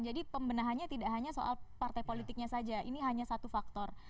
pembenahannya tidak hanya soal partai politiknya saja ini hanya satu faktor